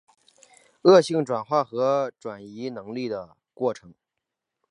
恶性转化和转移能力的过程。